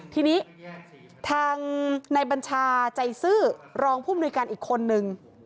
ทีนี้ทางในบัญชาใจซื่อรองผู้มนุยการอีกคนนึง